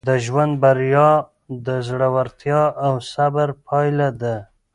د ژوند بریا د زړورتیا او صبر پایله ده.